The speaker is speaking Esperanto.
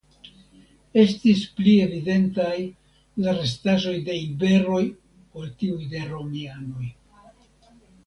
Estis pli evidentaj la restaĵoj de iberoj ol tiuj de romianoj.